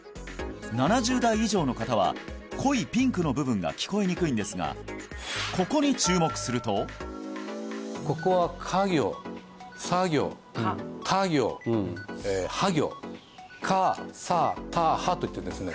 ７０代以上の方は濃いピンクの部分が聞こえにくいんですがここに注目するとここはカ行サ行タ行ハ行カサタハといってですね